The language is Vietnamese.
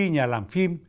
nhà làm phim